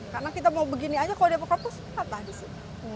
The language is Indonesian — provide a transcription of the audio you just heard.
karena kita mau begini aja kalau dia mau kapus patah di sini